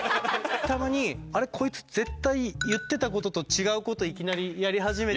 たまにあれこいつ絶対言ってたことと違うこといきなりやり始めて。